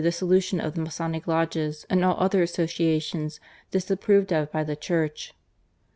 dissolution of the Masonic lodges and all other associations disapproved of by the Church."